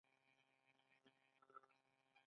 د کچالو ګل د سوځیدو لپاره وکاروئ